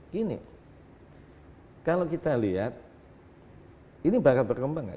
gini kalau kita lihat ini bakal berkembang enggak